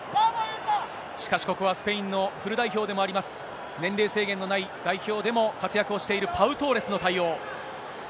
しかしここはスペインのフル代表でもあります、年齢制限のない代表でも活躍をしているパウ・トーレスの対応。